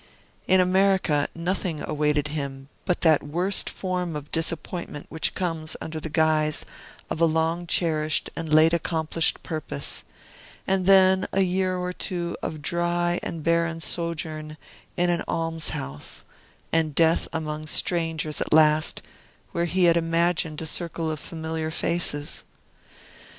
In America, nothing awaited him but that worst form of disappointment which comes under the guise of a long cherished and late accomplished purpose, and then a year or two of dry and barren sojourn in an almshouse, and death among strangers at last, where he had imagined a circle of familiar faces.